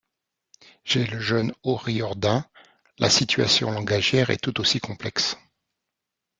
Chez le jeune Ó Ríordáin, la situation langagière est tout aussi complexe.